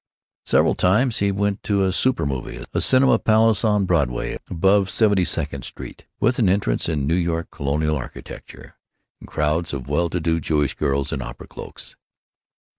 Several times he went to a super movie, a cinema palace on Broadway above Seventy second Street, with an entrance in New York Colonial architecture, and crowds of well to do Jewish girls in opera cloaks.